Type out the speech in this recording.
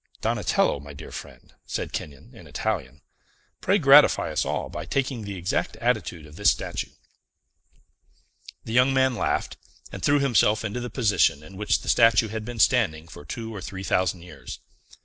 "Donatello, my dear friend," said Kenyon, in Italian, "pray gratify us all by taking the exact attitude of this statue." The young man laughed, and threw himself into the position in which the statue has been standing for two or three thousand years.